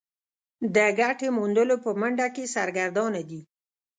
د ګټې موندلو په منډه کې سرګردانه دي.